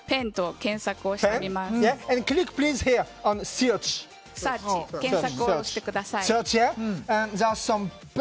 検索をしてください。